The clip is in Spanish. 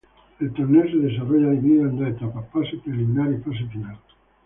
El torneo se desarrolla dividido en dos etapas: fase preliminar y fase final.